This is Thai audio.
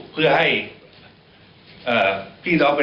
เพื่อให้พี่ซ้าวเป็นหัวใจของเรา